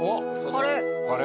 カレー。